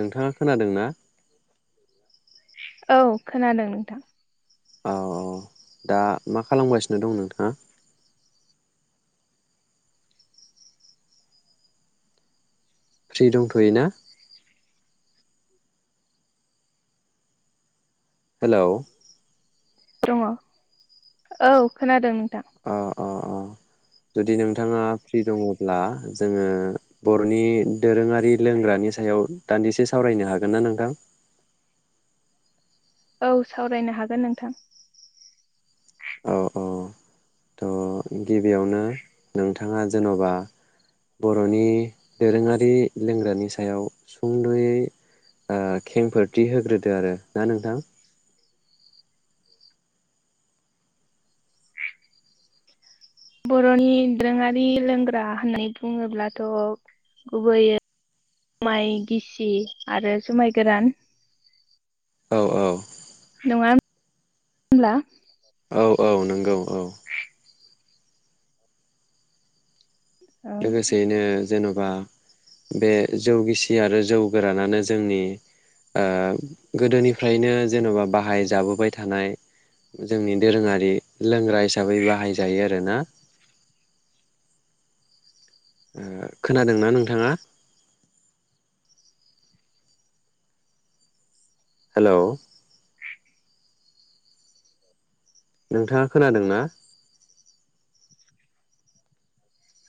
नोंथाङा खोनादों ना? औ खोनादों नोंथां। औ औ दा मा खालामगासिनो दं नोंथाङा? फ्रि दंथ'यो ना? हेलौ दङ औ खोनादों। अ अ अ जुदि नोंथाङा फ्रि दङब्ला जोङो बर'नि दोरोङारि लोंग्रानि सायाव दान्दिसे सावरायनो हागोन ना नोंथां? औ सावरायनो हागोन नोंथां। औ औ थ गिबियावनो नोंथाङा जेनबा बर'नि दोरोङारि लोंग्रानि सायाव सुंद'यै ओ खेंफोरथि होग्रोदो आरो ना नोंथां? बर'नि दोरोङारि लोंग्रा होननानै बुङोब्लाथ' गुबैयै जुमाय गिसि आरो जुमाय गोरान औ औ नङा होन ब्ला? औ औ नंगौ औ औ लोगोसेयैनो जेन'बा बे जौ गिसि आरो जौ गोरानानो जोंनि ओ गोदोनिफ्रायनो जेन'बा बाहाय जाबोबाय थानाय जोंनि दोरोङारि लोंग्रा हिसाबै बाहायजायो आरोना। ओ खोनादोंना नोंथाङा? हेलौ नोंथाङा खोनादों ना?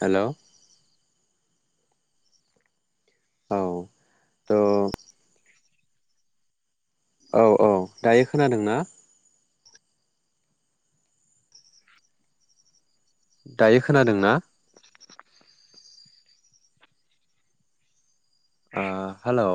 हेलौ औ थ' औ औ दायो खोनादों ना? दायो खोनादोंना? आ हेलौ